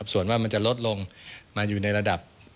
ส่วนว่ามันจะลดลงมาอยู่ในระดับ